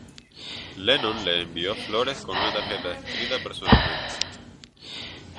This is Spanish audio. Lennon le envió flores con una tarjeta escrita personalmente.